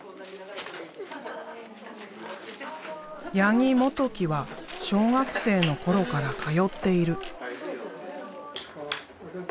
八木志基は小学生の頃から通っている。